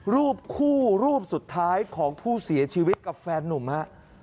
รูปคู่รูปสุดท้ายของผู้เสียชีวิตกับแฟนนุ่มฮะ